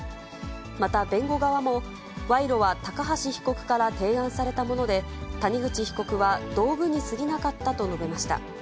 また弁護側も、賄賂は高橋被告から提案されたもので、谷口被告は道具にすぎなかったと述べました。